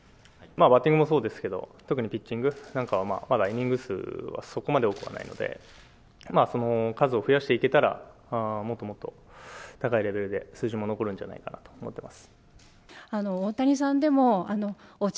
バッティングもそうですけど、特にピッチングなんかはまだイニング数はそこまで多くはないので数を増やしていけたらもっともっと高いレベルで数字も残るんじゃないかなと思ってます。